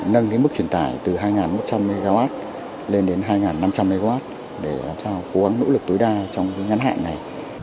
nâng cái mức truyền tải từ hai nghìn một trăm linh mw lên đến hai nghìn năm trăm linh mw để làm sao cố gắng nỗ lực tối đa trong cái ngăn hạn này